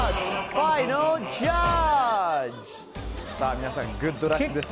皆さん、グッドラックです。